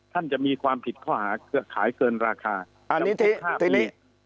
จะมีความผิดข้อหาขายเกินราคาอันนี้ทีนี้